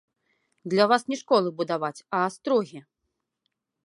Для вас не школы будаваць, а астрогі!